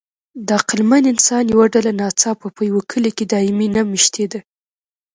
د عقلمن انسان یوه ډله ناڅاپه په یوه کلي کې دایمي نه مېشتېده.